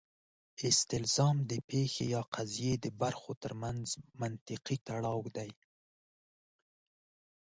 استلزام د پېښې یا قضیې د برخو ترمنځ منطقي تړاو دی.